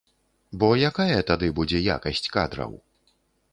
Бо якая тады будзе якасць кадраў?